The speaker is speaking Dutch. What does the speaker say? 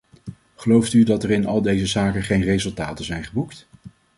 Gelooft u dat er in al deze zaken geen resultaten zijn geboekt?